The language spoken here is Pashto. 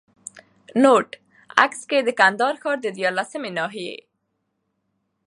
نوټ: عکس کي د کندهار ښار د ديارلسمي ناحيې